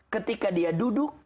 ketika dia duduk